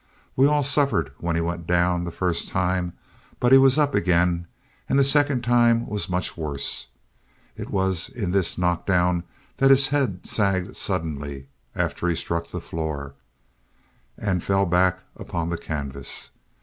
We all suffered when he went down the first time, but he was up again, and the second time was much worse. It was in this knockdown that his head sagged suddenly, after he struck the floor, and fell back upon the canvas.